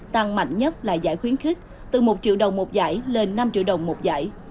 tăng mạnh nhất là giải khuyến khích từ một triệu đồng một giải lên năm triệu đồng một giải